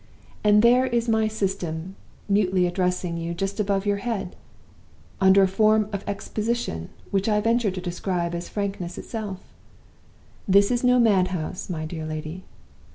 'And there is my System mutely addressing you just above your head, under a form of exposition which I venture to describe as frankness itself. This is no mad house, my dear lady.